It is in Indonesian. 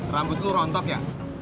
rambut lo rontok ya